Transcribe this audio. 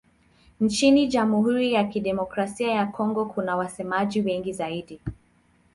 Nchini Jamhuri ya Kidemokrasia ya Kongo kuna wasemaji wengi zaidi.